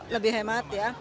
lebih hemat ya